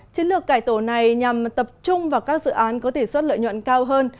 chính lược cải tổ này nhằm tập trung vào các dự án có thể suất lợi nhuận cao hơn